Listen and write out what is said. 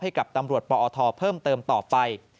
ให้กับตำรวจปอทเพิ่มเติมต่อไป